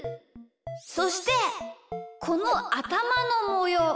そしてこのあたまのもよう。